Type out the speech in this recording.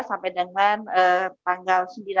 sampai dengan tanggal sembilan